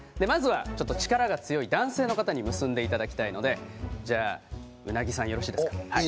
まずは、力が強い男性の方に結んでいただきたいので鰻さん、よろしいですか。